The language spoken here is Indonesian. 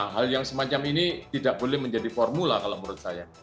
hal yang semacam ini tidak boleh menjadi formula kalau menurut saya